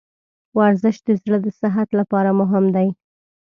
ورزش د زړه د صحت لپاره مهم دی.